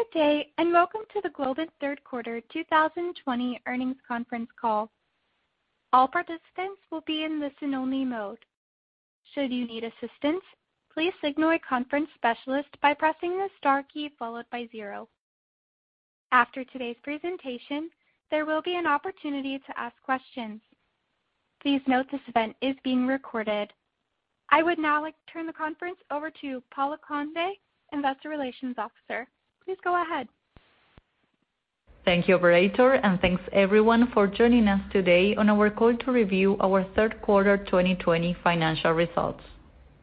Good day, and welcome to the Globant third quarter 2020 earnings conference call. All participants will be in listen-only mode, should you need assistance, please signal a conference specialist by pressing the star key followed by zero. After today's presentation, there will be an opportunity to ask questions. Please note that this event is being recorded. I would now like to turn the conference over to Paula Conde, Investor Relations Officer. Please go ahead. Thank you, operator. Thanks, everyone, for joining us today on our call to review our third quarter 2020 financial results.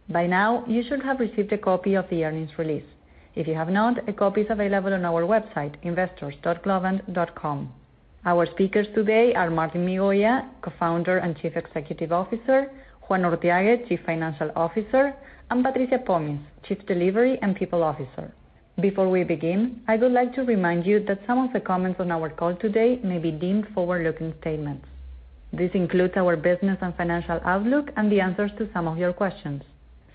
By now, you should have received a copy of the earnings release. If you have not, a copy is available on our website, investors.globant.com. Our speakers today are Martín Migoya, Co-Founder and Chief Executive Officer, Juan Urthiague, Chief Financial Officer, and Patricia Pomies, Chief Delivery and People Officer. Before we begin, I would like to remind you that some of the comments on our call today may be deemed forward-looking statements. This includes our business and financial outlook and the answers to some of your questions.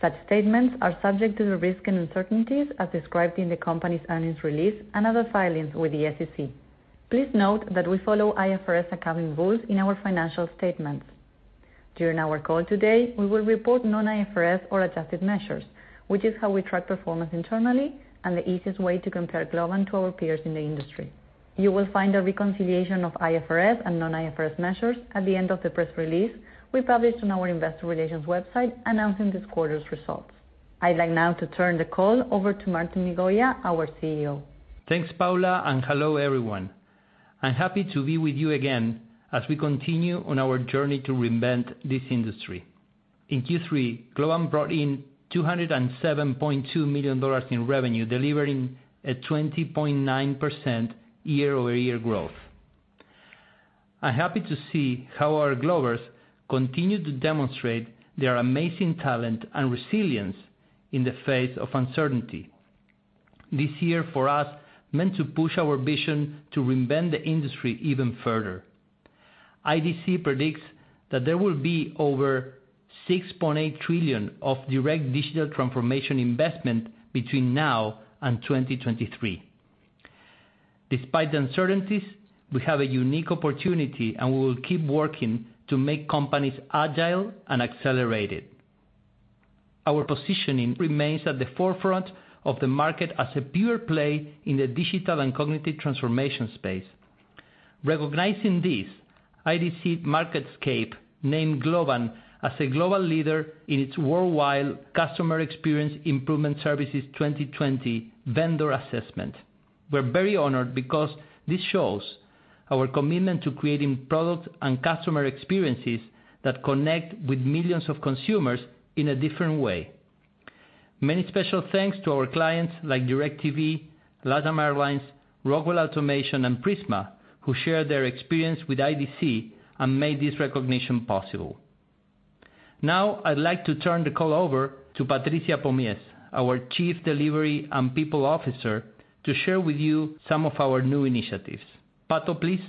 Such statements are subject to the risks and uncertainties as described in the company's earnings release and other filings with the SEC. Please note that we follow IFRS accounting rules in our financial statements. During our call today, we will report non-IFRS or adjusted measures, which is how we track performance internally and the easiest way to compare Globant to our peers in the industry. You will find a reconciliation of IFRS and non-IFRS measures at the end of the press release we published on our investor relations website announcing this quarter's results. I'd like now to turn the call over to Martín Migoya, our CEO. Thanks, Paula, and hello, everyone. I'm happy to be with you again as we continue on our journey to reinvent this industry. In Q3, Globant brought in $207.2 million in revenue, delivering a 20.9% year-over-year growth. I'm happy to see how our Globers continue to demonstrate their amazing talent and resilience in the face of uncertainty. This year, for us, meant to push our vision to reinvent the industry even further. IDC predicts that there will be over $6.8 trillion of direct digital transformation investment between now and 2023. Despite the uncertainties, we have a unique opportunity, and we will keep working to make companies agile and accelerated. Our positioning remains at the forefront of the market as a pure play in the digital and cognitive transformation space. Recognizing this, IDC MarketScape named Globant as a global leader in its Worldwide Customer Experience Improvement Services 2020 Vendor Assessment. We're very honored because this shows our commitment to creating products and customer experiences that connect with millions of consumers in a different way. Many special thanks to our clients like DIRECTV, LATAM Airlines, Rockwell Automation, and Prisma, who shared their experience with IDC and made this recognition possible. Now, I'd like to turn the call over to Patricia Pomies, our Chief Delivery and People Officer, to share with you some of our new initiatives. Pato, please.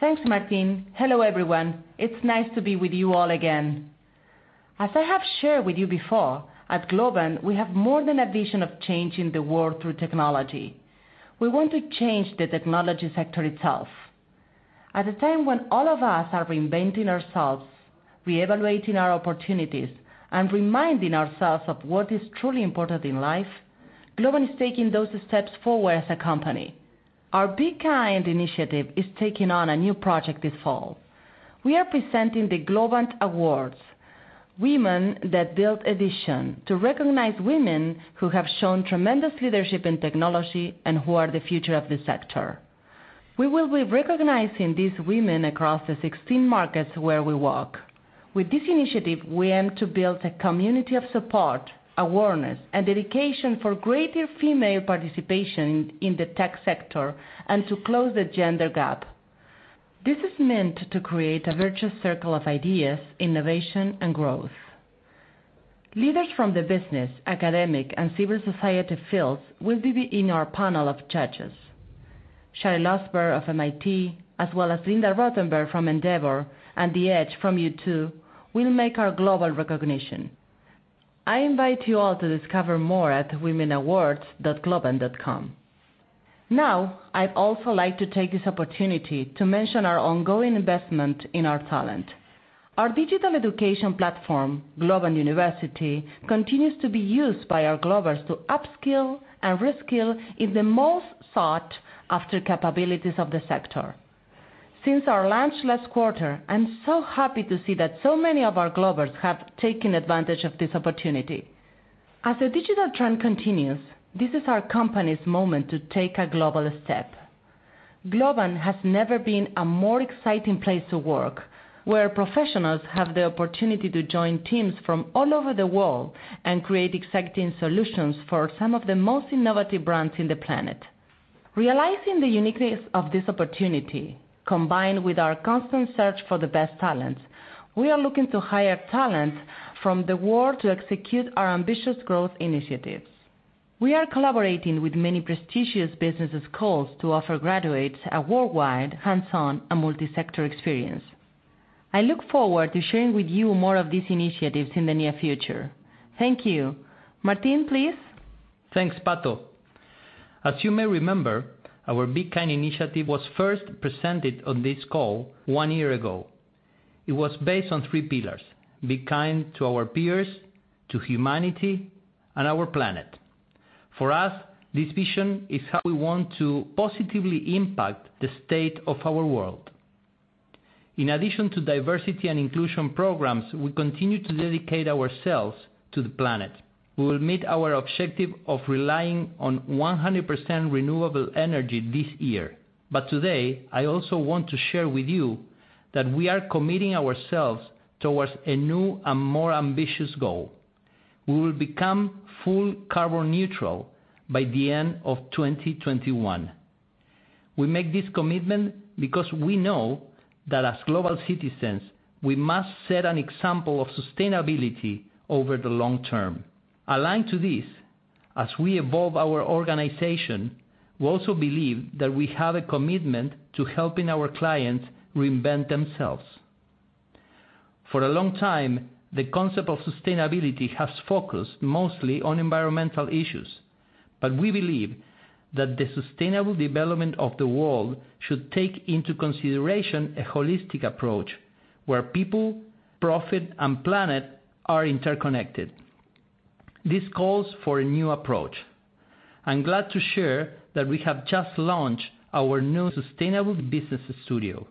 Thanks, Martín. Hello, everyone. It's nice to be with you all again. As I have shared with you before, at Globant, we have more than a vision of changing the world through technology. We want to change the technology sector itself. At a time when all of us are reinventing ourselves, reevaluating our opportunities, and reminding ourselves of what is truly important in life, Globant is taking those steps forward as a company. Our Be Kind initiative is taking on a new project this fall. We are presenting the Globant Awards, Women that Build Edition, to recognize women who have shown tremendous leadership in technology and who are the future of this sector. We will be recognizing these women across the 16 markets where we work. With this initiative, we aim to build a community of support, awareness, and dedication for greater female participation in the tech sector and to close the gender gap. This is meant to create a virtuous circle of ideas, innovation, and growth. Leaders from the business, academic, and civil society fields will be in our panel of judges. Shari Loessberg of MIT, as well as Linda Rottenberg from Endeavor and The Edge from U2 will make our global recognition. I invite you all to discover more at womenawards.globant.com. Now, I'd also like to take this opportunity to mention our ongoing investment in our talent. Our digital education platform, Globant University, continues to be used by our Globers to upskill and reskill in the most sought-after capabilities of the sector. Since our launch last quarter, I'm so happy to see that so many of our Globers have taken advantage of this opportunity. As the digital trend continues, this is our company's moment to take a global step. Globant has never been a more exciting place to work, where professionals have the opportunity to join teams from all over the world and create exciting solutions for some of the most innovative brands in the planet. Realizing the uniqueness of this opportunity, combined with our constant search for the best talent, we are looking to hire talent from the world to execute our ambitious growth initiatives. We are collaborating with many prestigious business schools to offer graduates a worldwide hands-on and multi-sector experience. I look forward to sharing with you more of these initiatives in the near future. Thank you. Martín, please? Thanks, Pato. As you may remember, our Be Kind initiative was first presented on this call one year ago. It was based on three pillars: be kind to our peers, to humanity, and our planet. For us, this vision is how we want to positively impact the state of our world. In addition to diversity and inclusion programs, we continue to dedicate ourselves to the planet. We will meet our objective of relying on 100% renewable energy this year. Today, I also want to share with you that we are committing ourselves towards a new and more ambitious goal. We will become full carbon neutral by the end of 2021. We make this commitment because we know that as global citizens, we must set an example of sustainability over the long term. Aligned to this, as we evolve our organization, we also believe that we have a commitment to helping our clients reinvent themselves. For a long time, the concept of sustainability has focused mostly on environmental issues, but we believe that the sustainable development of the world should take into consideration a holistic approach where people, profit, and planet are interconnected. This calls for a new approach. I'm glad to share that we have just launched our new Sustainable Business Studio.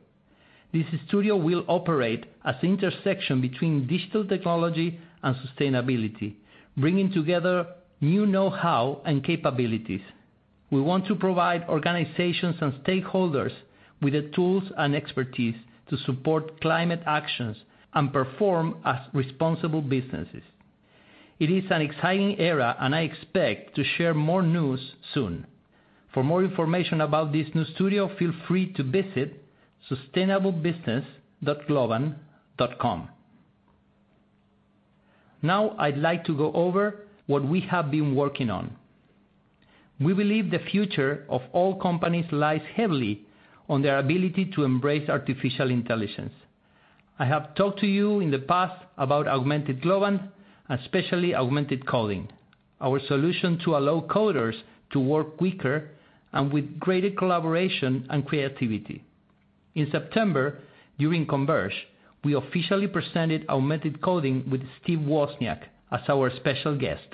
This studio will operate as intersection between digital technology and sustainability, bringing together new know-how and capabilities. We want to provide organizations and stakeholders with the tools and expertise to support climate actions and perform as responsible businesses. It is an exciting era and I expect to share more news soon. For more information about this new Studio, feel free to visit sustainablebusiness.globant.com. Now I'd like to go over what we have been working on. We believe the future of all companies lies heavily on their ability to embrace artificial intelligence. I have talked to you in the past about Augmented Globant, especially Augmented Coding, our solution to allow coders to work quicker and with greater collaboration and creativity. In September, during Converge, we officially presented Augmented Coding with Steve Wozniak as our special guest.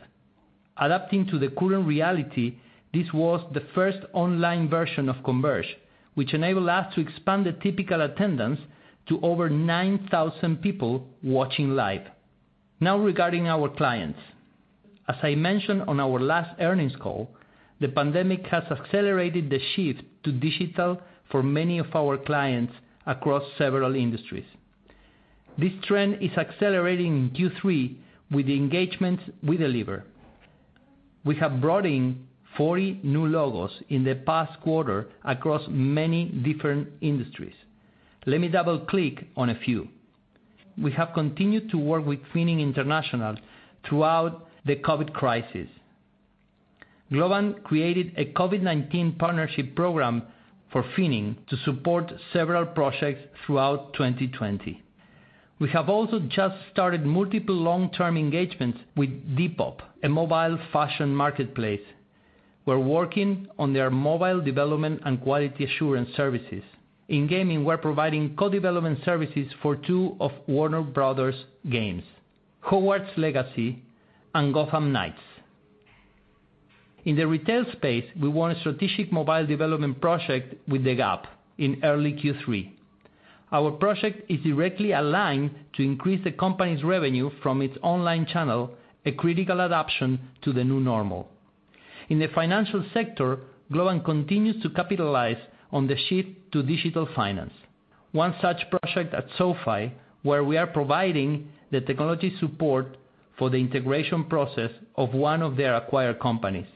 Adapting to the current reality, this was the first online version of Converge, which enabled us to expand the typical attendance to over 9,000 people watching live. Now regarding our clients. As I mentioned on our last earnings call, the pandemic has accelerated the shift to digital for many of our clients across several industries. This trend is accelerating in Q3 with the engagements we deliver. We have brought in 40 new logos in the past quarter across many different industries. Let me double click on a few. We have continued to work with Finning International throughout the COVID-19 crisis. Globant created a COVID-19 partnership program for Finning to support several projects throughout 2020. We have also just started multiple long-term engagements with Depop, a mobile fashion marketplace. We're working on their mobile development and quality assurance services. In gaming, we're providing co-development services for two of Warner Bros. Games, "Hogwarts Legacy" and "Gotham Knights." In the retail space, we won a strategic mobile development project with The Gap in early Q3. Our project is directly aligned to increase the company's revenue from its online channel, a critical adaption to the new normal. In the financial sector, Globant continues to capitalize on the shift to digital finance. One such project at SoFi, where we are providing the technology support for the integration process of one of their acquired companies.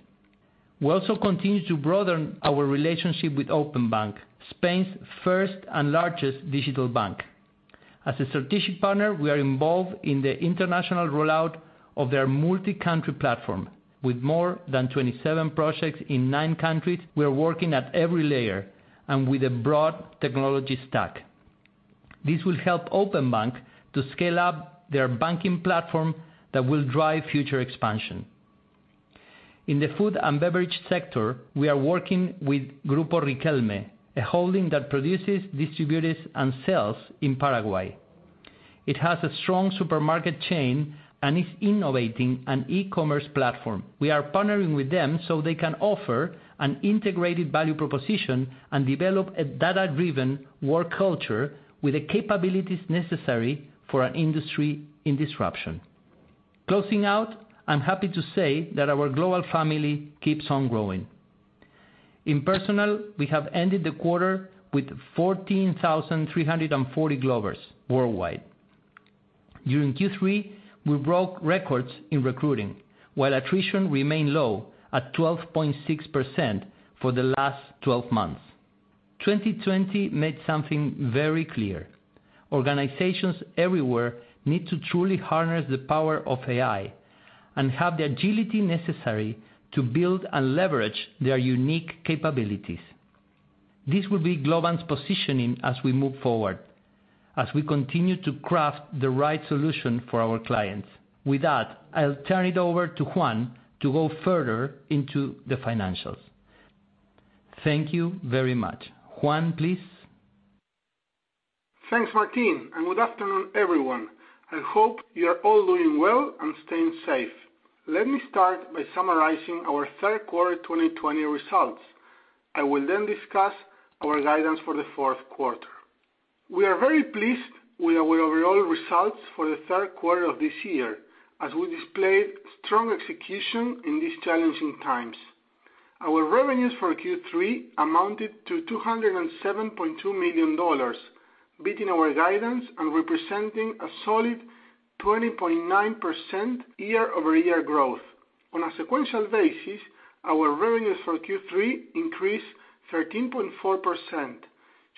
We also continue to broaden our relationship with Openbank, Spain's first and largest digital bank. As a strategic partner, we are involved in the international rollout of their multi-country platform. With more than 27 projects in nine countries, we are working at every layer and with a broad technology stack. This will help Openbank to scale up their banking platform that will drive future expansion. In the food and beverage sector, we are working with Grupo Riquelme, a holding that produces, distributes, and sells in Paraguay. It has a strong supermarket chain and is innovating an e-commerce platform. We are partnering with them so they can offer an integrated value proposition and develop a data-driven work culture with the capabilities necessary for an industry in disruption. Closing out, I'm happy to say that our global family keeps on growing. In personnel, we have ended the quarter with 14,340 Globers worldwide. During Q3, we broke records in recruiting while attrition remained low at 12.6% for the last 12 months. 2020 made something very clear. Organizations everywhere need to truly harness the power of AI and have the agility necessary to build and leverage their unique capabilities. This will be Globant's positioning as we move forward, as we continue to craft the right solution for our clients. With that, I'll turn it over to Juan to go further into the financials. Thank you very much. Juan, please. Thanks, Martín. Good afternoon, everyone. I hope you're all doing well and staying safe. Let me start by summarizing our third quarter 2020 results. I will discuss our guidance for the fourth quarter. We are very pleased with our overall results for the third quarter of this year, as we displayed strong execution in these challenging times. Our revenues for Q3 amounted to $207.2 million, beating our guidance and representing a solid 20.9% year-over-year growth. On a sequential basis, our revenues for Q3 increased 13.4%,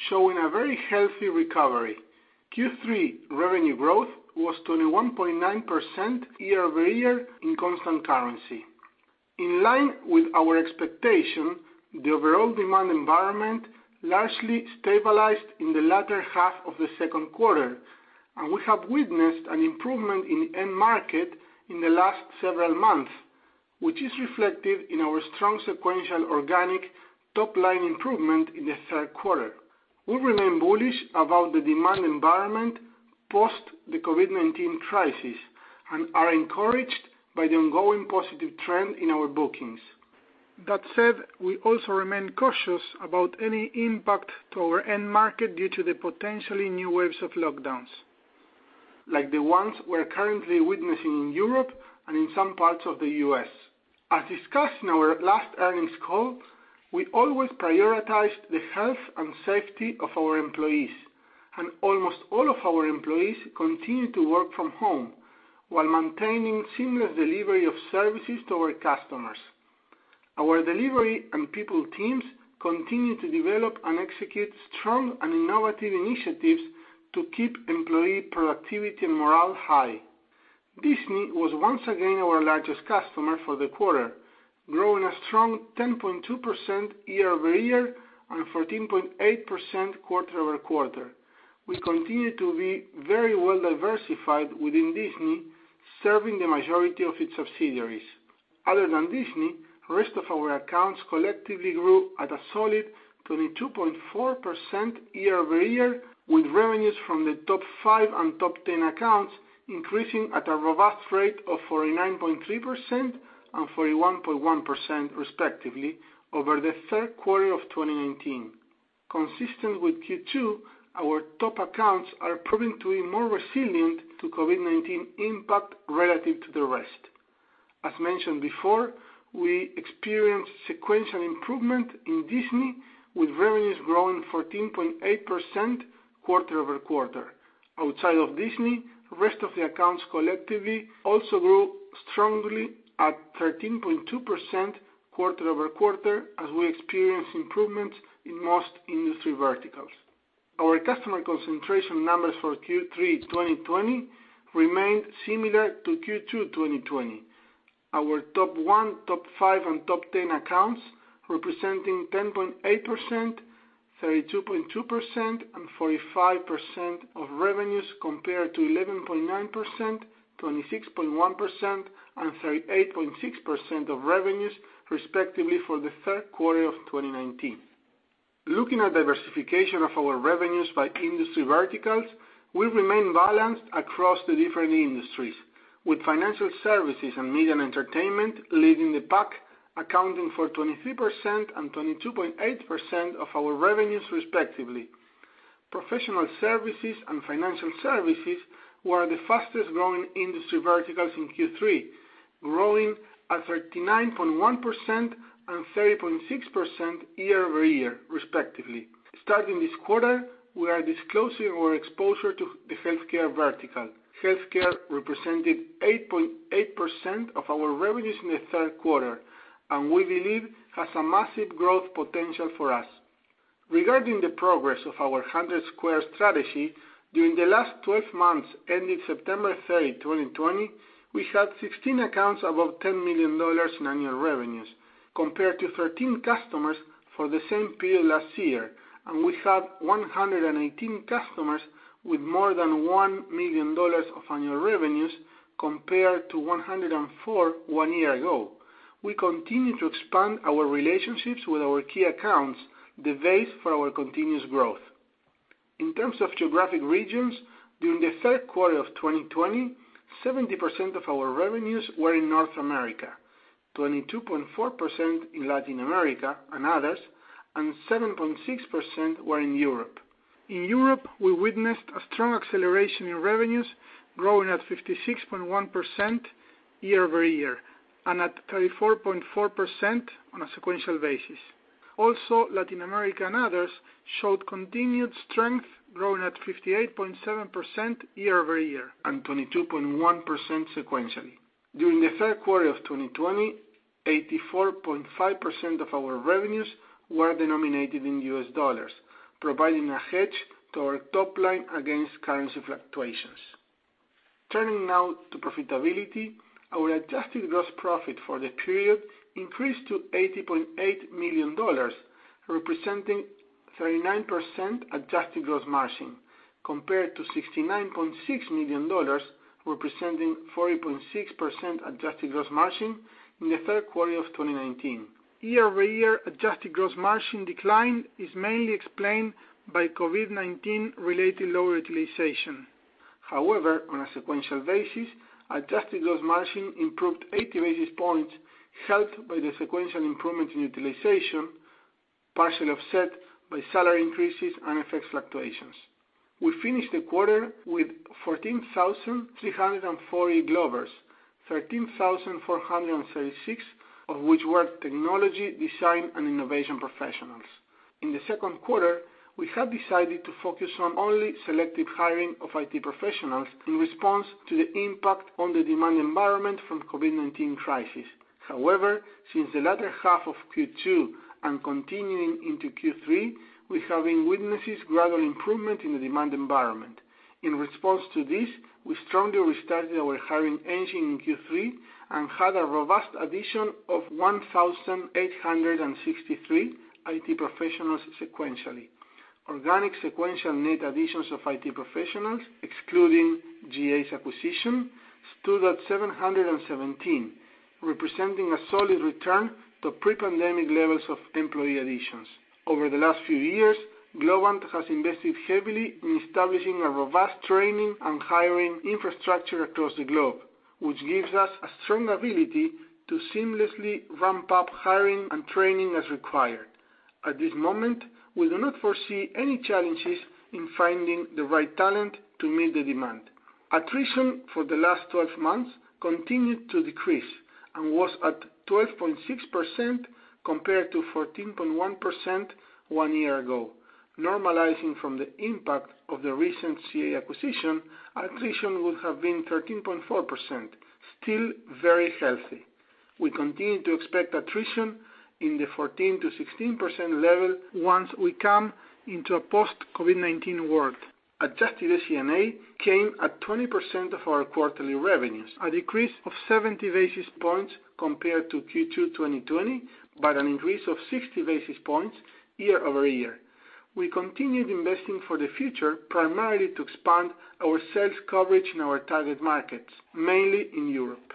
showing a very healthy recovery. Q3 revenue growth was 21.9% year-over-year in constant currency. In line with our expectation, the overall demand environment largely stabilized in the latter half of the second quarter, we have witnessed an improvement in end market in the last several months, which is reflected in our strong sequential organic top-line improvement in the third quarter. We remain bullish about the demand environment post the COVID-19 crisis and are encouraged by the ongoing positive trend in our bookings. We also remain cautious about any impact to our end market due to the potentially new waves of lockdowns, like the ones we're currently witnessing in Europe and in some parts of the U.S. As discussed in our last earnings call, we always prioritize the health and safety of our employees, and almost all of our employees continue to work from home while maintaining seamless delivery of services to our customers. Our delivery and people teams continue to develop and execute strong and innovative initiatives to keep employee productivity and morale high. Disney was once again our largest customer for the quarter, growing a strong 10.2% year-over-year and 14.8% quarter-over-quarter. We continue to be very well-diversified within Disney, serving the majority of its subsidiaries. Other than Disney, rest of our accounts collectively grew at a solid 22.4% year-over-year, with revenues from the top five and top 10 accounts increasing at a robust rate of 49.3% and 41.1%, respectively, over the third quarter of 2019. Consistent with Q2, our top accounts are proving to be more resilient to COVID-19 impact relative to the rest. As mentioned before, we experienced sequential improvement in Disney, with revenues growing 14.8% quarter-over-quarter. Outside of Disney, rest of the accounts collectively also grew strongly at 13.2% quarter-over-quarter as we experienced improvements in most industry verticals. Our customer concentration numbers for Q3 2020 remained similar to Q2 2020. Our top one, top five, and top 10 accounts representing 10.8%, 32.2%, and 45% of revenues, compared to 11.9%, 26.1%, and 38.6% of revenues, respectively, for the third quarter of 2019. Looking at diversification of our revenues by industry verticals, we remain balanced across the different industries, with financial services and media and entertainment leading the pack, accounting for 23% and 22.8% of our revenues, respectively. Professional services and financial services were the fastest-growing industry verticals in Q3, growing at 39.1% and 30.6% year-over-year, respectively. Starting this quarter, we are disclosing our exposure to the healthcare vertical. Healthcare represented 8.8% of our revenues in the third quarter and we believe has a massive growth potential for us. Regarding the progress of our 100² Strategy, during the last 12 months ended September 30, 2020, we had 16 accounts above $10 million in annual revenues, compared to 13 customers for the same period last year. We have 118 customers with more than $1 million of annual revenues, compared to 104 one year ago. We continue to expand our relationships with our key accounts, the base for our continuous growth. In terms of geographic regions, during the third quarter of 2020, 70% of our revenues were in North America, 22.4% in Latin America and others, and 7.6% were in Europe. In Europe, we witnessed a strong acceleration in revenues, growing at 56.1% year-over-year, and at 34.4% on a sequential basis. Latin America and others showed continued strength, growing at 58.7% year-over-year and 22.1% sequentially. During the third quarter of 2020, 84.5% of our revenues were denominated in U.S. dollars, providing a hedge to our top line against currency fluctuations. Turning now to profitability. Our adjusted gross profit for the period increased to $80.8 million, representing 39% adjusted gross margin, compared to $69.6 million, representing 40.6% adjusted gross margin in the third quarter of 2019. Year-over-year adjusted gross margin decline is mainly explained by COVID-19 related lower utilization. On a sequential basis, adjusted gross margin improved 80 basis points, helped by the sequential improvement in utilization, partially offset by salary increases and FX fluctuations. We finished the quarter with 14,340 Globers, 13,436 of which were technology, design, and innovation professionals. In the second quarter, we had decided to focus on only selective hiring of IT professionals in response to the impact on the demand environment from COVID-19 crisis. Since the latter half of Q2 and continuing into Q3, we have been witnessing gradual improvement in the demand environment. In response to this, we strongly restarted our hiring engine in Q3 and had a robust addition of 1,863 IT professionals sequentially. Organic sequential net additions of IT professionals, excluding gA acquisition, stood at 717, representing a solid return to pre-pandemic levels of employee additions. Over the last few years, Globant has invested heavily in establishing a robust training and hiring infrastructure across the globe, which gives us a strong ability to seamlessly ramp up hiring and training as required. At this moment, we do not foresee any challenges in finding the right talent to meet the demand. Attrition for the last 12 months continued to decrease and was at 12.6% compared to 14.1% one year ago. Normalizing from the impact of the recent gA acquisition, attrition would have been 13.4%, still very healthy. We continue to expect attrition in the 14%-16% level once we come into a post-COVID-19 world. Adjusted SG&A came at 20% of our quarterly revenues, a decrease of 70 basis points compared to Q2 2020, an increase of 60 basis points year-over-year. We continued investing for the future, primarily to expand our sales coverage in our target markets, mainly in Europe.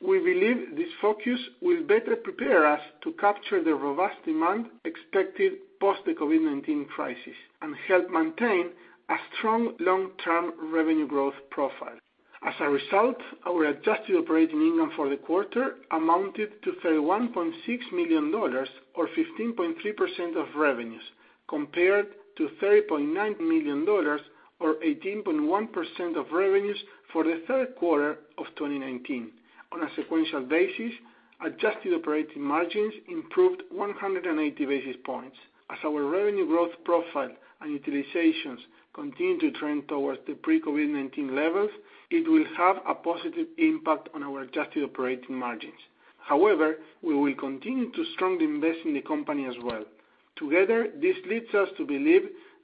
We believe this focus will better prepare us to capture the robust demand expected post the COVID-19 crisis and help maintain a strong long-term revenue growth profile. As a result, our adjusted operating income for the quarter amounted to $31.6 million, or 15.3% of revenues, compared to $30.9 million, or 18.1% of revenues for the third quarter of 2019. On a sequential basis, adjusted operating margins improved 180 basis points. As our revenue growth profile and utilizations continue to trend towards the pre-COVID-19 levels, it will have a positive impact on our adjusted operating margins. However, we will continue to strongly invest in the company as well. Together, this leads us to believe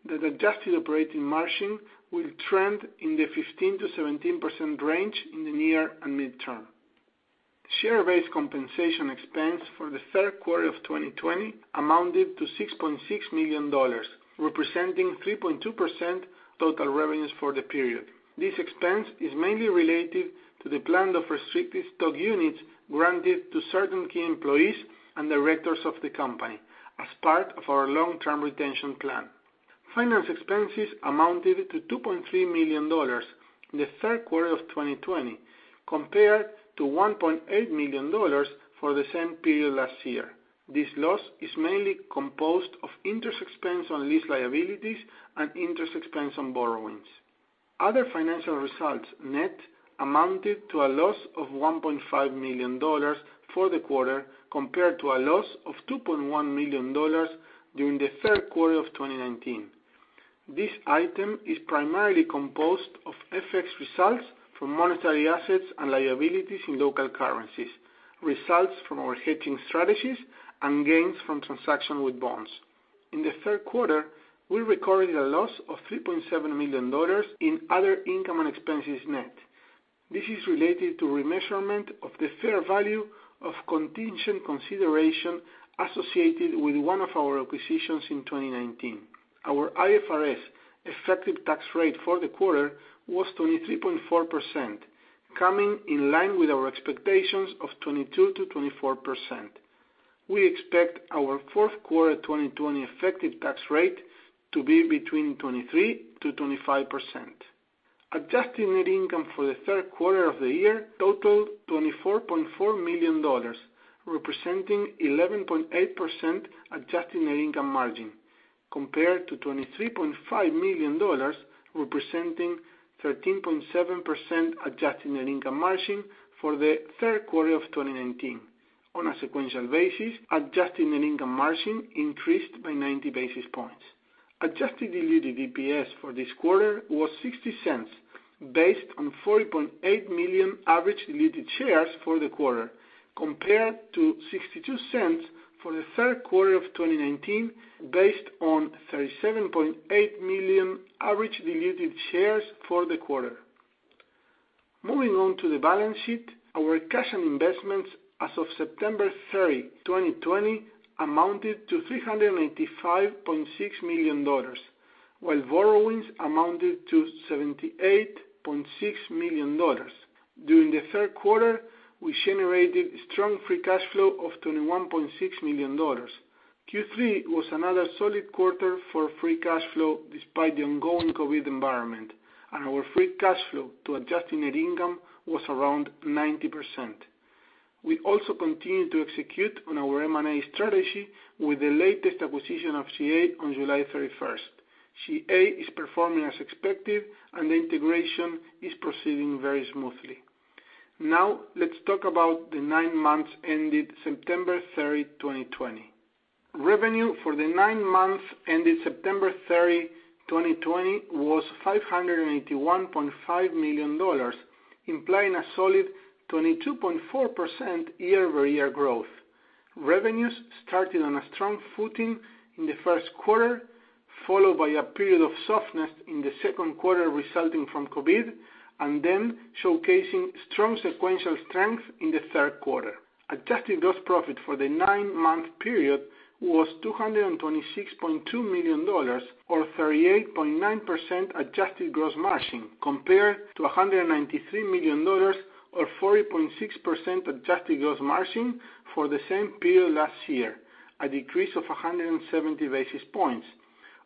that adjusted operating margin will trend in the 15%-17% range in the near and midterm. Share-based compensation expense for the third quarter of 2020 amounted to $6.6 million, representing 3.2% total revenues for the period. This expense is mainly related to the grant of restricted stock units granted to certain key employees and directors of the company as part of our long-term retention plan. Finance expenses amounted to $2.3 million in the third quarter of 2020, compared to $1.8 million for the same period last year. This loss is mainly composed of interest expense on lease liabilities and interest expense on borrowings. Other financial results net amounted to a loss of $1.5 million for the quarter, compared to a loss of $2.1 million during the third quarter of 2019. This item is primarily composed of FX results from monetary assets and liabilities in local currencies, results from our hedging strategies, and gains from transaction with bonds. In the third quarter, we recorded a loss of $3.7 million in other income and expenses net. This is related to remeasurement of the fair value of contingent consideration associated with one of our acquisitions in 2019. Our IFRS effective tax rate for the quarter was 23.4%, coming in line with our expectations of 22%-24%. We expect our fourth quarter 2020 effective tax rate to be between 23%-25%. Adjusted net income for the third quarter of the year totaled $24.4 million, representing 11.8% adjusted net income margin, compared to $23.5 million, representing 13.7% adjusted net income margin for the third quarter of 2019. On a sequential basis, adjusted net income margin increased by 90 basis points. Adjusted diluted EPS for this quarter was $0.60. Based on 40.8 million average diluted shares for the quarter, compared to $0.62 for the third quarter of 2019, based on 37.8 million average diluted shares for the quarter. Moving on to the balance sheet, our cash and investments as of September 30, 2020 amounted to $385.6 million, while borrowings amounted to $78.6 million. During the third quarter, we generated strong free cash flow of $21.6 million. Q3 was another solid quarter for free cash flow despite the ongoing COVID-19 environment, and our free cash flow to adjusted net income was around 90%. We also continued to execute on our M&A strategy with the latest acquisition of gA on July 31st. GA is performing as expected and the integration is proceeding very smoothly. Now, let's talk about the nine months ended September 30, 2020. Revenue for the nine months ended September 30, 2020 was $581.5 million, implying a solid 22.4% year-over-year growth. Revenues started on a strong footing in the first quarter, followed by a period of softness in the second quarter resulting from COVID, and then showcasing strong sequential strength in the third quarter. Adjusted gross profit for the nine-month period was $226.2 million, or 38.9% adjusted gross margin, compared to $193 million, or 40.6% adjusted gross margin for the same period last year, a decrease of 170 basis points.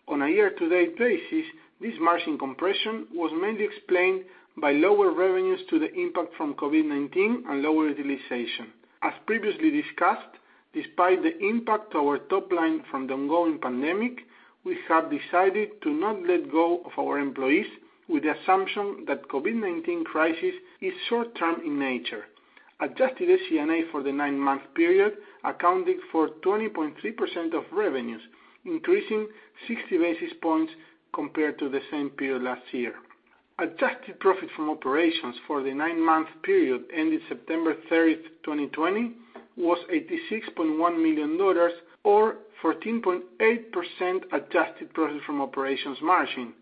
On a year-to-date basis, this margin compression was mainly explained by lower revenues to the impact from COVID-19 and lower utilization. As previously discussed, despite the impact to our top line from the ongoing pandemic, we have decided to not let go of our employees with the assumption that COVID-19 crisis is short-term in nature. Adjusted EC&A for the nine-month period accounted for 20.3% of revenues, increasing 60 basis points compared to the same period last year. Adjusted profit from operations for the nine-month period ended September 30th, 2020 was $86.1 million, or 14.8% adjusted profit from operations margin,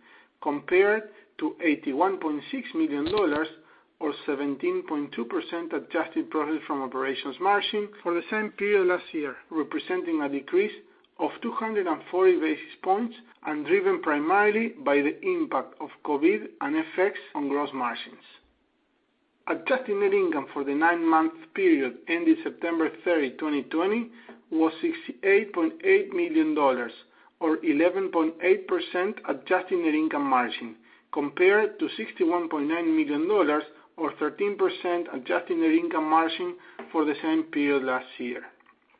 compared to $81.6 million, or 17.2% adjusted profit from operations margin for the same period last year, representing a decrease of 240 basis points, driven primarily by the impact of COVID and effects on gross margins. Adjusted net income for the nine-month period ending September 30, 2020 was $68.8 million, or 11.8% adjusted net income margin, compared to $61.9 million, or 13% adjusted net income margin for the same period last year.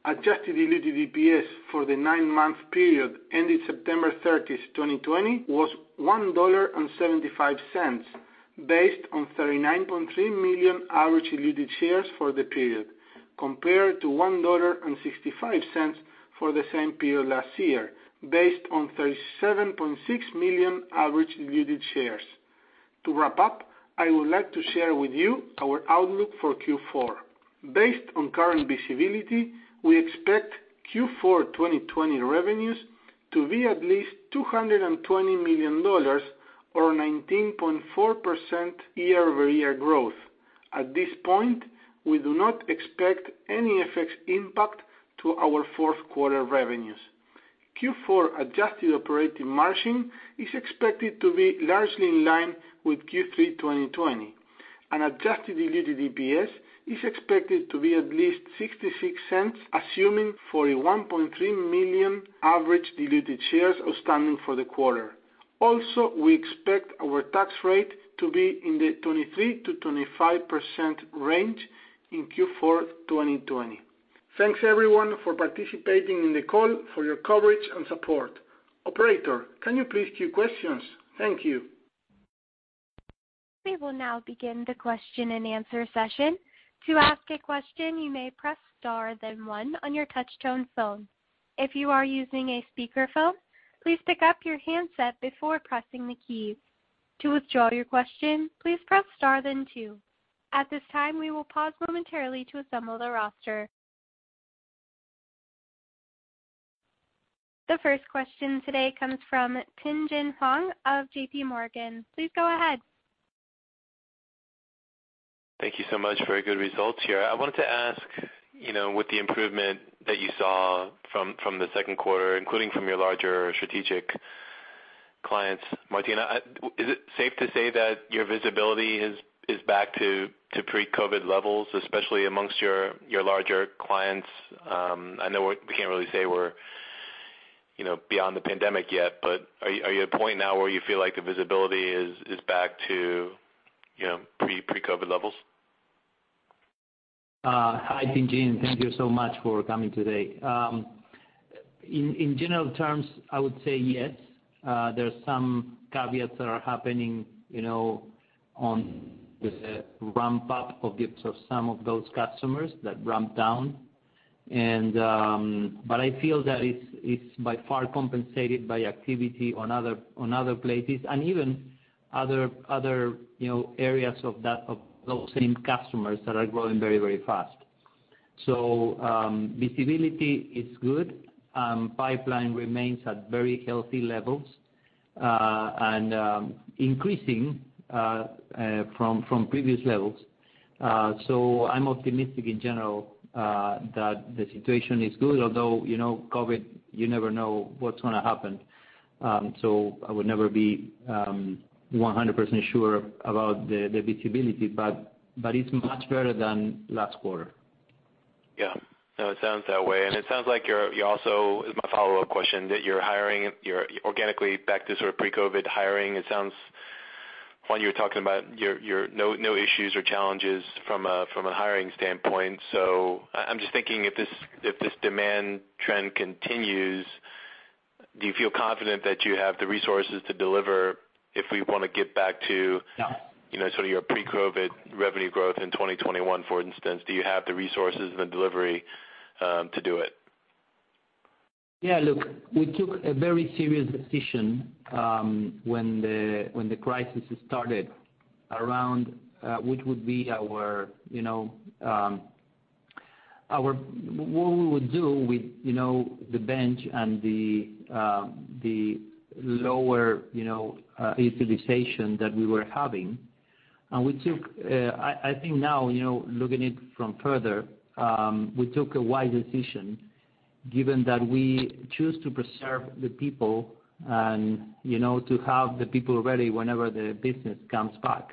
Adjusted diluted EPS for the nine-month period ending September 30th, 2020 was $1.75, based on 39.3 million average diluted shares for the period, compared to $1.65 for the same period last year, based on 37.6 million average diluted shares. To wrap up, I would like to share with you our outlook for Q4. Based on current visibility, we expect Q4 2020 revenues to be at least $220 million, or 19.4% year-over-year growth. At this point, we do not expect any FX impact to our fourth quarter revenues. Q4 adjusted operating margin is expected to be largely in line with Q3 2020, and adjusted diluted EPS is expected to be at least $0.66, assuming 41.3 million average diluted shares outstanding for the quarter. We expect our tax rate to be in the 23%-25% range in Q4 2020. Thanks everyone for participating in the call, for your coverage and support. Operator, can you please queue questions? Thank you. We will now begin the question and answer session. To ask your question, you may press star then one on your touchtone phone. If you are using the speakerphone, please pick up your handset before pressing any keys. To withdraw your question, please press star then two. At this time we will pause momentarily to assemble the roster. The first question today comes from Tien-Tsin Huang of JPMorgan. Please go ahead. Thank you so much for your good results here. I wanted to ask, with the improvement that you saw from the second quarter, including from your larger strategic clients, Martín, is it safe to say that your visibility is back to pre-COVID levels, especially amongst your larger clients? I know we can't really say we're beyond the pandemic yet, but are you at a point now where you feel like the visibility is back to pre-COVID levels? Hi, Tien-Tsin. Thank you so much for coming today. In general terms, I would say yes. There's some caveats that are happening on the ramp-up of some of those customers that ramped down. But I feel that it's by far compensated by activity on other places, and even other areas of those same customers that are growing very, very fast. Visibility is good. Pipeline remains at very healthy levels, and increasing from previous levels. I'm optimistic in general that the situation is good, although, COVID, you never know what's going to happen. I would never be 100% sure about the visibility, but it's much better than last quarter. Yeah. No, it sounds that way. It sounds like you're also, my follow-up question, that you're hiring, you're organically back to sort of pre-COVID hiring. It sounds, Juan, you were talking about your no issues or challenges from a hiring standpoint. I'm just thinking if this demand trend continues, do you feel confident that you have the resources to deliver? Yeah. Sort of your pre-COVID revenue growth in 2021, for instance. Do you have the resources and the delivery to do it? Yeah, look, we took a very serious decision when the crisis started around what we would do with the bench and the lower utilization that we were having. We took, I think now, looking it from further, we took a wise decision given that we choose to preserve the people and to have the people ready whenever the business comes back.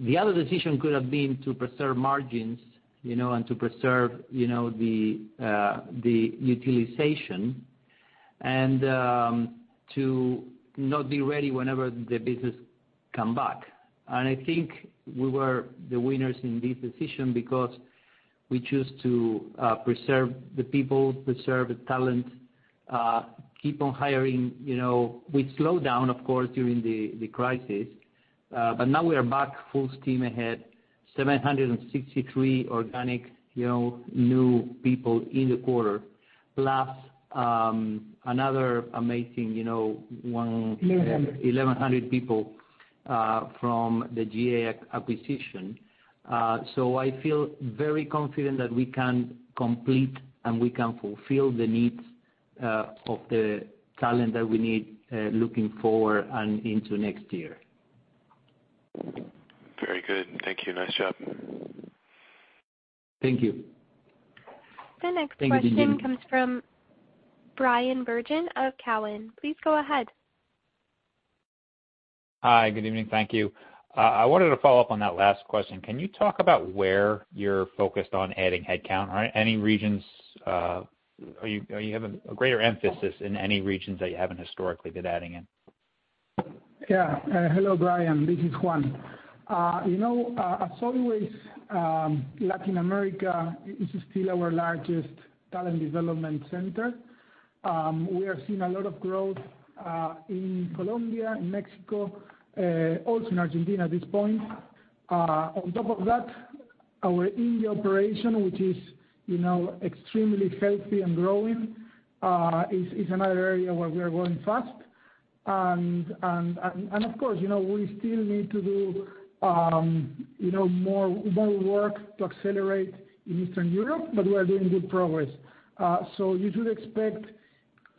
The other decision could have been to preserve margins, and to preserve the utilization and to not be ready whenever the business come back. I think we were the winners in this decision because we choose to preserve the people, preserve the talent, keep on hiring. We slowed down, of course, during the crisis. Now we are back full steam ahead, 763 organic new people in the quarter. Another amazing one. 1,100. 1,100 people from the gA acquisition. I feel very confident that we can complete and we can fulfill the needs of the talent that we need looking forward and into next year. Very good. Thank you. Nice job. Thank you. Thank you, Martin. The next question comes from Bryan Bergin of Cowen. Please go ahead. Hi. Good evening. Thank you. I wanted to follow up on that last question. Can you talk about where you're focused on adding headcount? Any regions, are you having a greater emphasis in any regions that you haven't historically been adding in? Hello Bryan, this is Juan. As always, Latin America is still our largest talent development center. We are seeing a lot of growth in Colombia, in Mexico, also in Argentina at this point. On top of that, our India operation, which is extremely healthy and growing, is another area where we are growing fast. Of course, we still need to do more work to accelerate in Eastern Europe, but we are making good progress. You should expect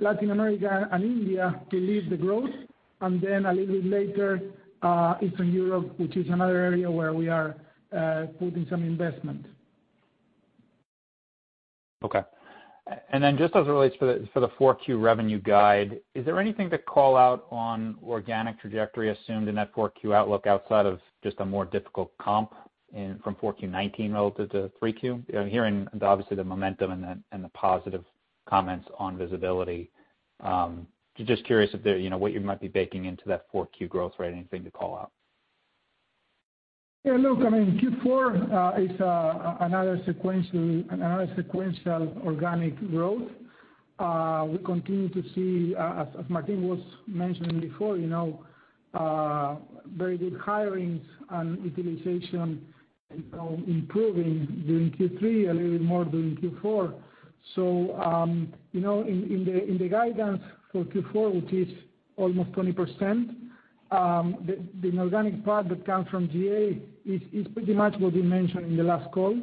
Latin America and India to lead the growth. Then a little bit later, Eastern Europe, which is another area where we are putting some investment. Okay. Just as it relates for the 4Q revenue guide, is there anything to call out on organic trajectory assumed in that 4Q outlook outside of just a more difficult comp from 4Q 2019 relative to 3Q? Hearing obviously the momentum and the positive comments on visibility. Just curious what you might be baking into that 4Q growth rate, anything to call out? Yeah, look, I mean, Q4 is another sequential organic growth. We continue to see, as Martín was mentioning before, very good hirings and utilization improving during Q3 a little bit more than Q4. In the guidance for Q4, which is almost 20%, the organic part that comes from gA is pretty much what we mentioned in the last call.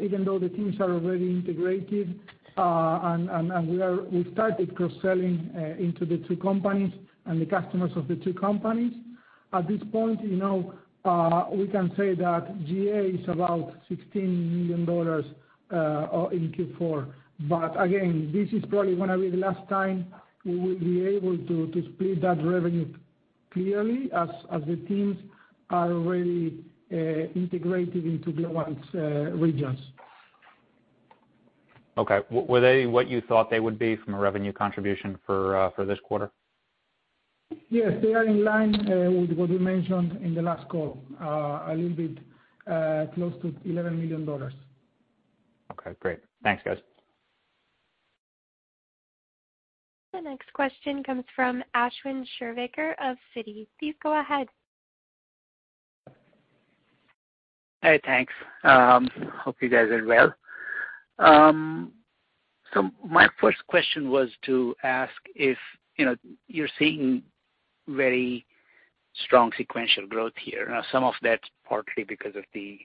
Even though the teams are already integrated, and we started cross-selling into the two companies and the customers of the two companies. At this point, we can say that gA is about $16 million in Q4. Again, this is probably going to be the last time we will be able to split that revenue clearly, as the teams are already integrated into Globant's regions. Okay. Were they what you thought they would be from a revenue contribution for this quarter? Yes, they are in line with what we mentioned in the last call. A little bit close to $11 million. Okay, great. Thanks, guys. The next question comes from Ashwin Shirvaikar of Citi. Please go ahead. Hi, thanks. Hope you guys are well. My first question was to ask if you're seeing very strong sequential growth here. Now some of that's partly because of the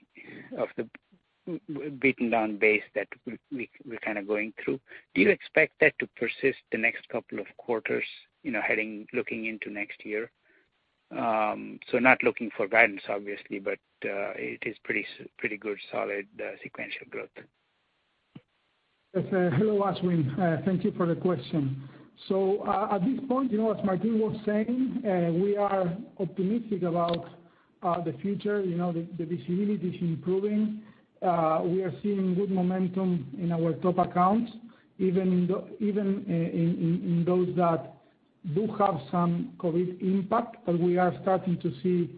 beaten-down base that we're kind of going through. Do you expect that to persist the next couple of quarters, looking into next year? Not looking for guidance obviously, but it is pretty good, solid sequential growth. Hello, Ashwin. Thank you for the question. At this point, as Martín was saying, we are optimistic about the future. The visibility is improving. We are seeing good momentum in our top accounts, even in those that do have some COVID-19 impact. We are starting to see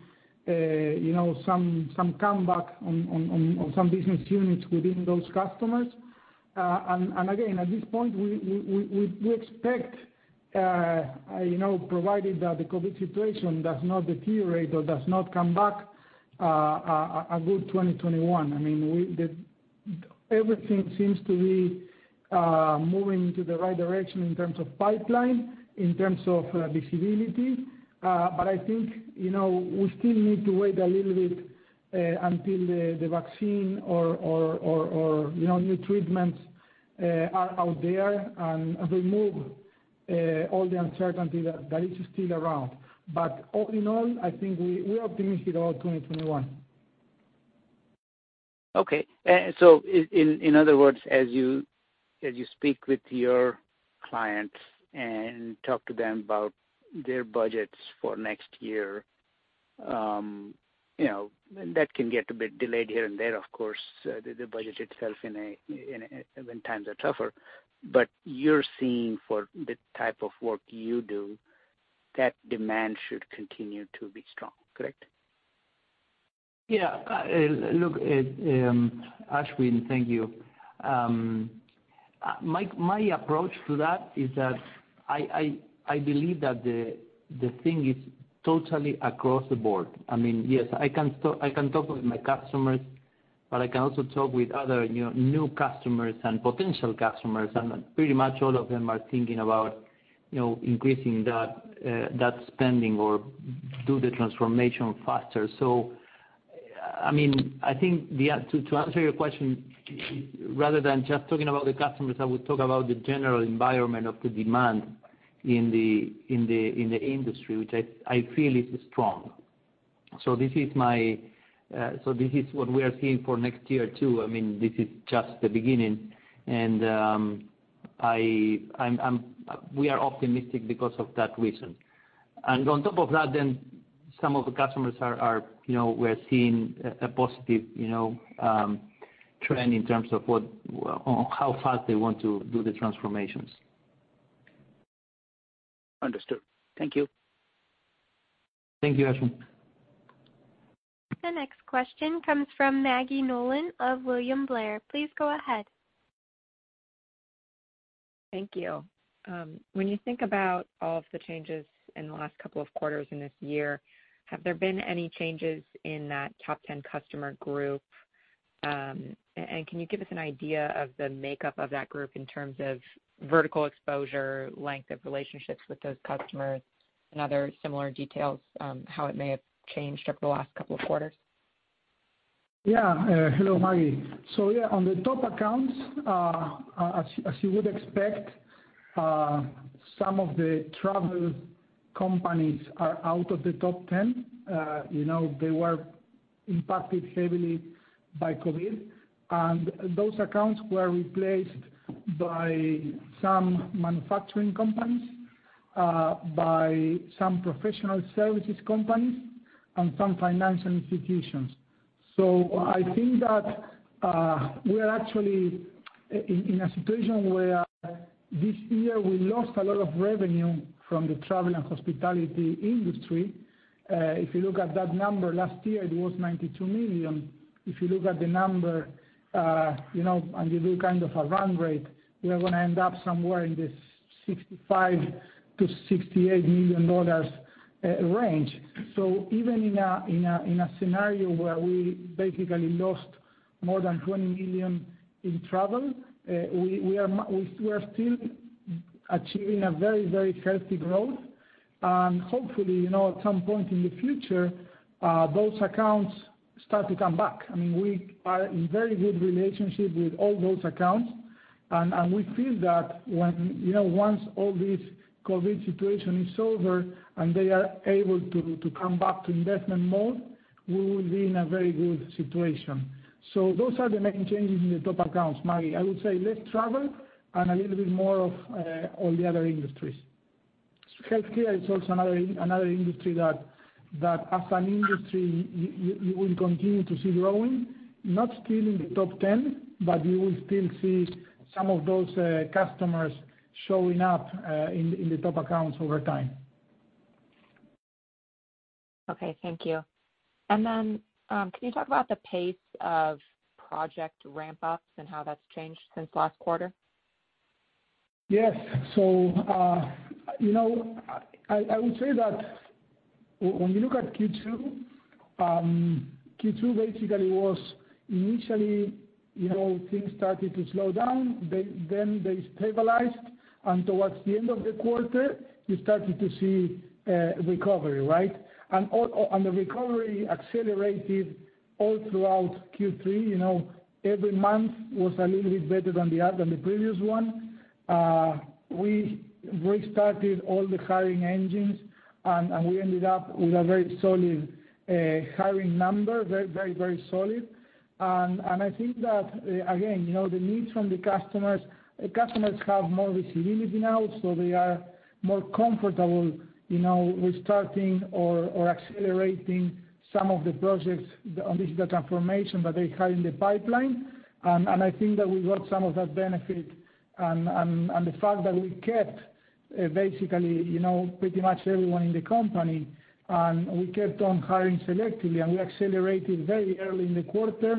some comeback on some business units within those customers. Again, at this point we expect, provided that the COVID-19 situation does not deteriorate or does not come back, a good 2021. I mean, everything seems to be moving into the right direction in terms of pipeline, in terms of visibility. I think, we still need to wait a little bit until the vaccine or new treatments are out there and remove all the uncertainty that is still around. All in all, I think we're optimistic about 2021. Okay. In other words, as you speak with your clients and talk to them about their budgets for next year, that can get a bit delayed here and there, of course, the budget itself when times are tougher. You're seeing for the type of work you do, that demand should continue to be strong, correct? Look, Ashwin, thank you. My approach to that is that I believe that the thing is totally across the board. I mean, yes, I can talk with my customers, but I can also talk with other new customers and potential customers, and pretty much all of them are thinking about increasing that spending or do the transformation faster. I think to answer your question, rather than just talking about the customers, I would talk about the general environment of the demand in the industry, which I feel is strong. This is what we are seeing for next year, too. This is just the beginning. We are optimistic because of that reason. On top of that, some of the customers we're seeing a positive trend in terms of how fast they want to do the transformations. Understood. Thank you. Thank you, Ashwin. The next question comes from Maggie Nolan of William Blair. Please go ahead. Thank you. You think about all of the changes in the last couple of quarters in this year, have there been any changes in that top 10 customer group? Can you give us an idea of the makeup of that group in terms of vertical exposure, length of relationships with those customers, and other similar details, how it may have changed over the last couple of quarters? Yeah, Hello, Maggie. Yeah, on the top accounts, as you would expect, some of the travel companies are out of the top 10. They were impacted heavily by COVID-19. Those accounts were replaced by some manufacturing companies, by some professional services companies, and some financial institutions. I think that we are actually in a situation where this year we lost a lot of revenue from the travel and hospitality industry. If you look at that number last year, it was $92 million. If you look at the number, you do kind of a run rate, we are going to end up somewhere in this $65 million-$68 million range. Even in a scenario where we basically lost more than $20 million in travel, we are still achieving a very healthy growth. Hopefully, at some point in the future, those accounts start to come back. I mean, we are in very good relationship with all those accounts, and we feel that once all this COVID-19 situation is over and they are able to come back to investment mode, we will be in a very good situation. Those are the main changes in the top accounts, Maggie. I would say less travel and a little bit more of all the other industries. Healthcare is also another industry that as an industry, you will continue to see growing, not still in the top 10, but you will still see some of those customers showing up in the top accounts over time. Okay, thank you. Can you talk about the pace of project ramp-ups and how that's changed since last quarter? Yes. I would say that when you look at Q2 basically was initially, things started to slow down, then they stabilized, and towards the end of the quarter, you started to see recovery, right? The recovery accelerated all throughout Q3. Every month was a little bit better than the previous one. We restarted all the hiring engines, and we ended up with a very solid hiring number. Very, very solid. I think that, again, the needs from the customers, the customers have more visibility now, so they are more comfortable restarting or accelerating some of the projects on digital transformation that they had in the pipeline. I think that we got some of that benefit. The fact that we kept basically pretty much everyone in the company, and we kept on hiring selectively, and we accelerated very early in the quarter,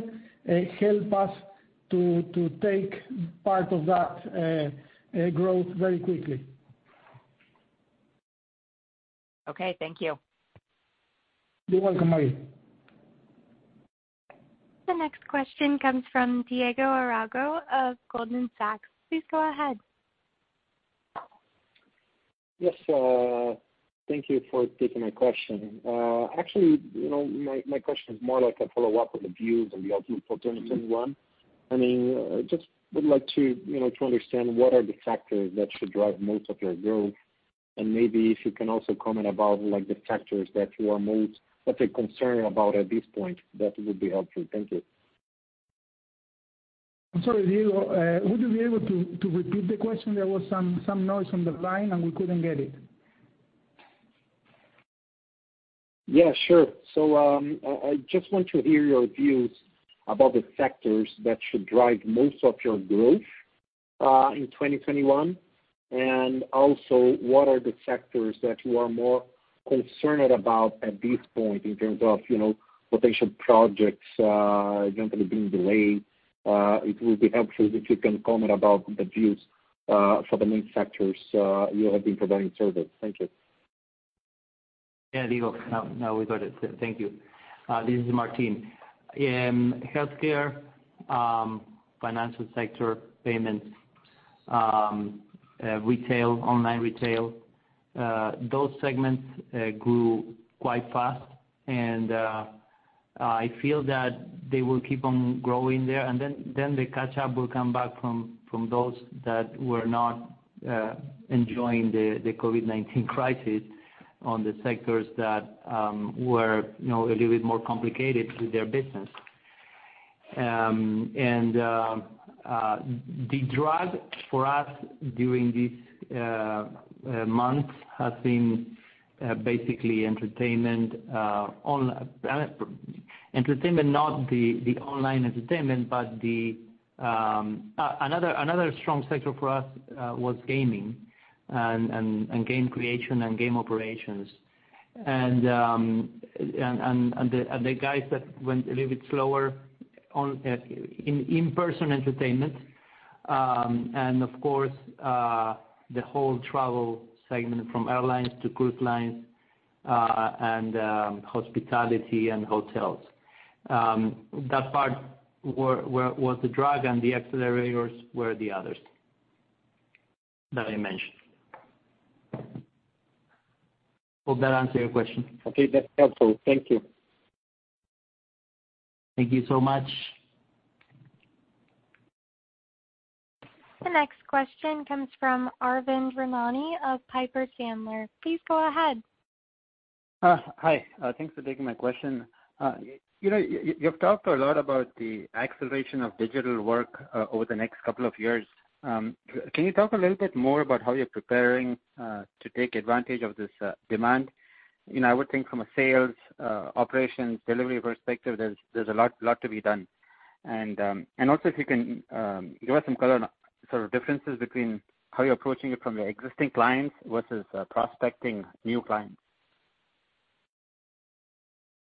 helped us to take part of that growth very quickly. Okay, thank you. You're welcome, Maggie. The next question comes from Diego Aragão of Goldman Sachs. Please go ahead. Yes. Thank you for taking my question. Actually, my question is more like a follow-up of the views and the outlook for 2021. I just would like to understand what are the factors that should drive most of your growth, and maybe if you can also comment about the factors that you are most concerned about at this point, that would be helpful. Thank you. I'm sorry, Diego. Would you be able to repeat the question? There was some noise on the line, and we couldn't get it. Yeah, sure. I just want to hear your views about the factors that should drive most of your growth, in 2021. What are the factors that you are more concerned about at this point in terms of potential projects that are going to be delayed? It would be helpful if you can comment about the views for the main sectors you have been providing service. Thank you. Yeah, Diego. Now we got it. Thank you. This is Martín. In healthcare, financial sector payments, retail, online retail, those segments grew quite fast, and I feel that they will keep on growing there. The catch-up will come back from those that were not enjoying the COVID-19 crisis on the sectors that were a little bit more complicated with their business. The drive for us during these months has been basically entertainment. Entertainment, not the online entertainment, but another strong sector for us was gaming and game creation and game operations. The guys that went a little bit slower on in-person entertainment. Of course, the whole travel segment, from airlines to cruise lines, and hospitality and hotels. That part was the drive, and the accelerators were the others that I mentioned. Hope that answered your question. Okay. That's helpful. Thank you. Thank you so much. The next question comes from Arvind Ramnani of Piper Sandler. Please go ahead. Hi. Thanks for taking my question. You've talked a lot about the acceleration of digital work over the next couple of years. Can you talk a little bit more about how you're preparing to take advantage of this demand? I would think from a sales, operations, delivery perspective, there's a lot to be done. Also if you can give us some color on sort of differences between how you're approaching it from your existing clients versus prospecting new clients.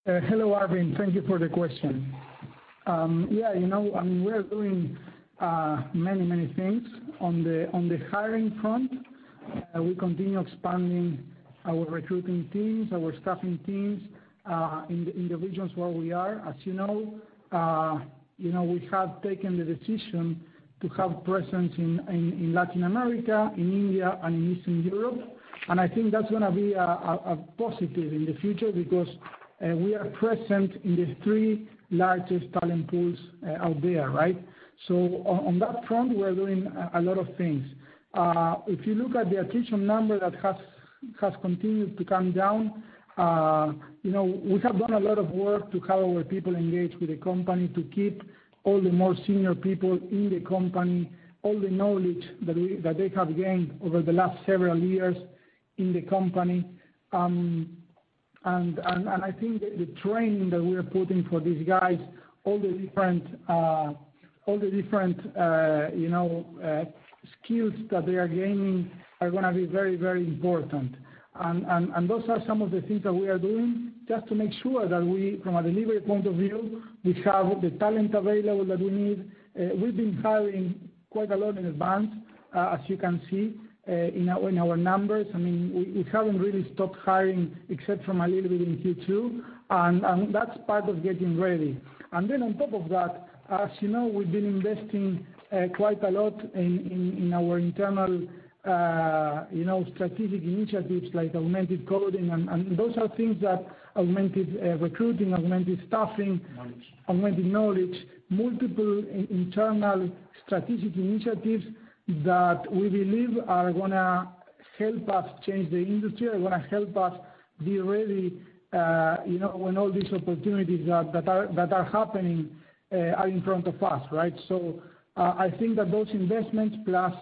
Hello, Arvind. Thank you for the question. Yeah, we're doing many things on the hiring front. We continue expanding our recruiting teams, our staffing teams, in the regions where we are. As you know, we have taken the decision to have presence in Latin America, in India, and in Eastern Europe. I think that's going to be a positive in the future because we are present in the three largest talent pools out there, right? On that front, we are doing a lot of things. If you look at the attrition number that has continued to come down, we have done a lot of work to have our people engaged with the company to keep all the more senior people in the company, all the knowledge that they have gained over the last several years in the company. I think that the training that we are putting for these guys, all the different skills that they are gaining are going to be very important. Those are some of the things that we are doing just to make sure that from a delivery point of view, we have the talent available that we need. We've been hiring quite a lot in advance, as you can see in our numbers. We haven't really stopped hiring except from a little bit in Q2, and that's part of getting ready. Then on top of that, as you know, we've been investing quite a lot in our internal strategic initiatives like Augmented Coding. Those are things that, Augmented Recruiting, Augmented Staffing. Knowledge. Augmented Knowledge, multiple internal strategic initiatives that we believe are going to help us change the industry, are going to help us be ready when all these opportunities that are happening are in front of us. I think that those investments, plus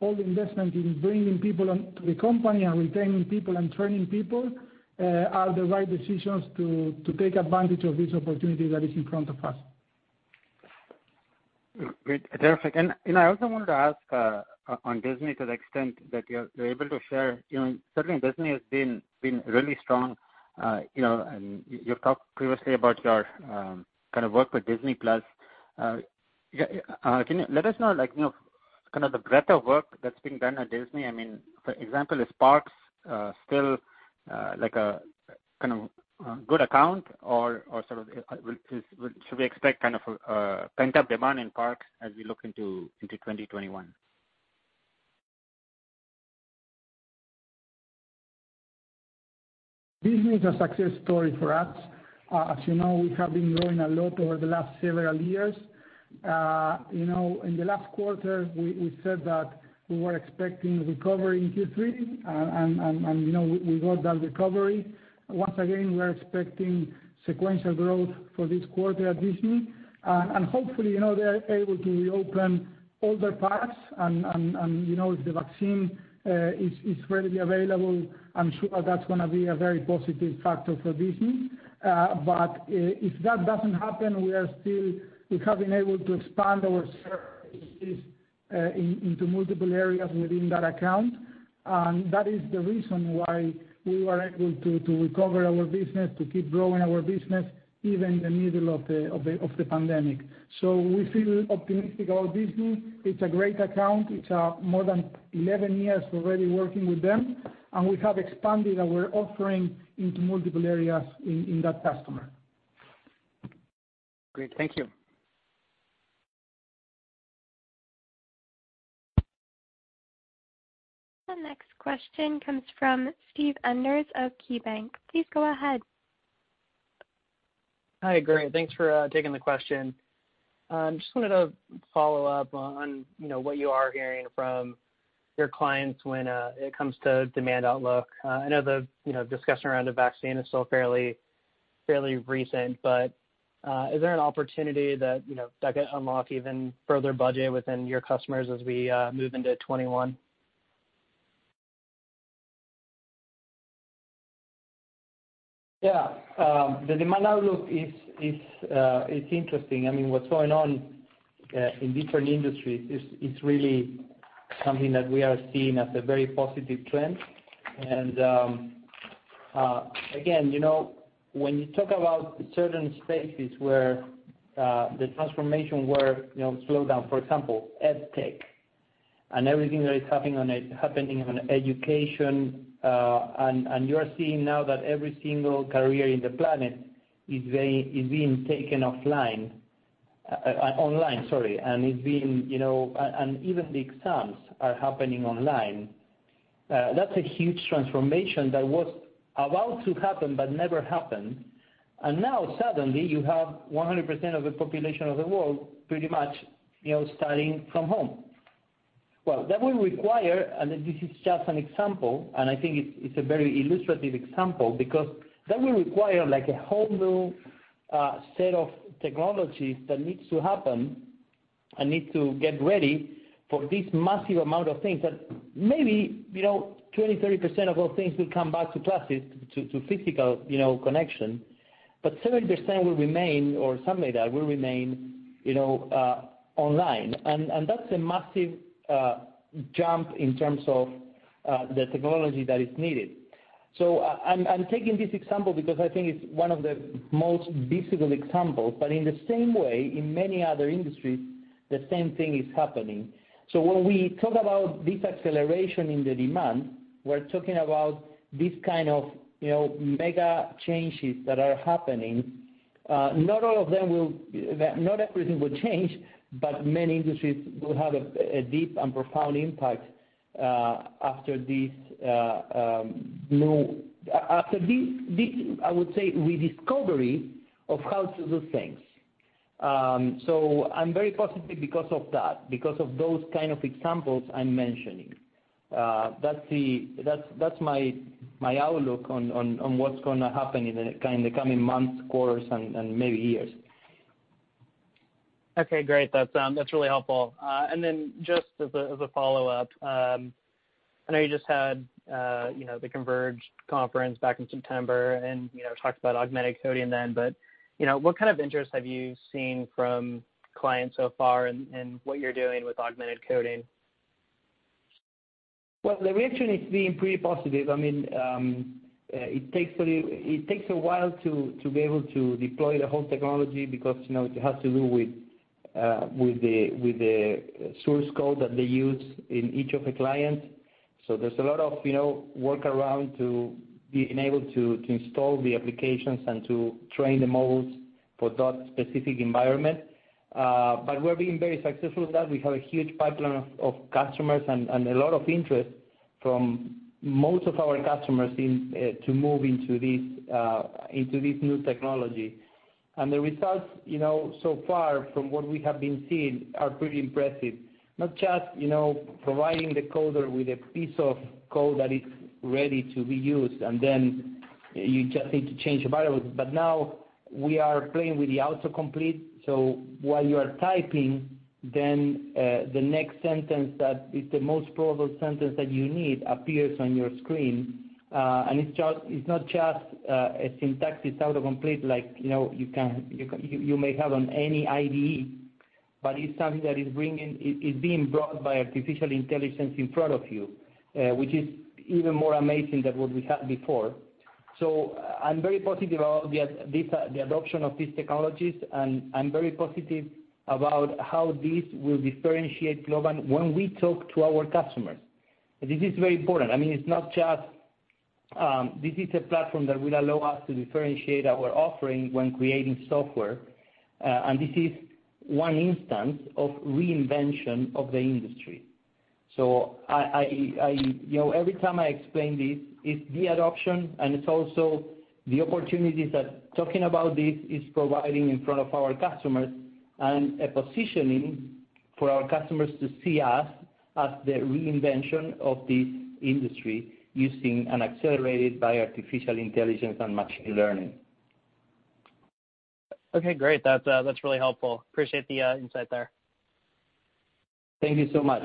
all the investment in bringing people into the company and retaining people and training people, are the right decisions to take advantage of this opportunity that is in front of us. Great. Perfect. I also wanted to ask on Disney, to the extent that you're able to share. Certainly Disney has been really strong, and you've talked previously about your work with Disney+. Let us know the breadth of work that's being done at Disney. For example, is parks still a good account, or should we expect pent-up demand in parks as we look into 2021? Disney is a success story for us. As you know, we have been growing a lot over the last several years. In the last quarter, we said that we were expecting recovery in Q3. We got that recovery. Once again, we're expecting sequential growth for this quarter at Disney. Hopefully, they're able to reopen all their parks. If the vaccine is readily available, I'm sure that's going to be a very positive factor for Disney. If that doesn't happen, we have been able to expand our services into multiple areas within that account. That is the reason why we were able to recover our business, to keep growing our business even in the middle of the pandemic. We feel optimistic about Disney. It's a great account. It's more than 11 years already working with them, and we have expanded our offering into multiple areas in that customer. Great. Thank you. The next question comes from Steve Enders of KeyBanc. Please go ahead. Hi, great. Thanks for taking the question. Just wanted to follow up on what you are hearing from your clients when it comes to demand outlook. I know the discussion around the vaccine is still fairly recent, is there an opportunity that could unlock even further budget within your customers as we move into 2021? Yeah. The demand outlook is interesting. What's going on in different industries is really something that we are seeing as a very positive trend. Again when you talk about certain spaces where the transformation were slowed down, for example, EdTech and everything that is happening on education. You are seeing now that every single career in the planet is being taken offline, online, sorry. Even the exams are happening online. That's a huge transformation that was about to happen but never happened. Now suddenly you have 100% of the population of the world pretty much studying from home. That will require, and this is just an example, and I think it's a very illustrative example, because that will require a whole new set of technologies that needs to happen and need to get ready for this massive amount of things that maybe 20%, 30% of all things will come back to classes, to physical connection, but 70% will remain, or something like that, will remain online. That's a massive jump in terms of the technology that is needed. I'm taking this example because I think it's one of the most visible examples. In the same way, in many other industries, the same thing is happening. When we talk about this acceleration in the demand, we're talking about these kind of mega changes that are happening. Not everything will change, but many industries will have a deep and profound impact after this new, I would say, rediscovery of how to do things. I'm very positive because of that, because of those kind of examples I'm mentioning. That's my outlook on what's going to happen in the coming months, quarters, and maybe years. Okay, great. That's really helpful. Then just as a follow-up, I know you just had the Converge Conference back in September and talked about Augmented Coding then, but what kind of interest have you seen from clients so far in what you're doing with Augmented Coding? The reaction is being pretty positive. It takes a while to be able to deploy the whole technology because it has to do with the source code that they use in each of the clients. There's a lot of workaround to being able to install the applications and to train the models for that specific environment. We're being very successful at that. We have a huge pipeline of customers and a lot of interest from most of our customers to move into this new technology. The results so far from what we have been seeing are pretty impressive. Not just providing the coder with a piece of code that is ready to be used, and then you just need to change the variables. Now we are playing with the autocomplete, so while you are typing, then the next sentence that is the most probable sentence that you need appears on your screen. It's not just a syntax, it's autocomplete like you may have on any IDE, but it's something that is being brought by artificial intelligence in front of you, which is even more amazing than what we had before. I'm very positive about the adoption of these technologies, and I'm very positive about how this will differentiate Globant when we talk to our customers. This is very important. This is a platform that will allow us to differentiate our offering when creating software, and this is one instance of reinvention of the industry. Every time I explain this, it's the adoption and it's also the opportunities that talking about this is providing in front of our customers and a positioning for our customers to see us as the reinvention of this industry using and accelerated by artificial intelligence and machine learning. Okay, great. That's really helpful. Appreciate the insight there. Thank you so much.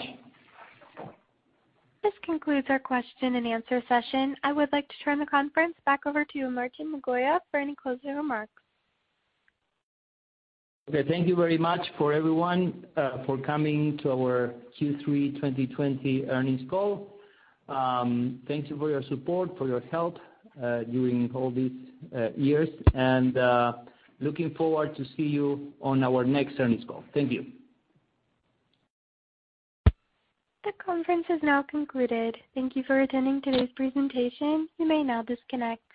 This concludes our question and answer session. I would like to turn the conference back over to Martín Migoya for any closing remarks. Okay. Thank you very much for everyone for coming to our Q3 2020 earnings call. Thank you for your support, for your help during all these years, and looking forward to see you on our next earnings call. Thank you. The conference has now concluded. Thank you for attending today's presentation. You may now disconnect.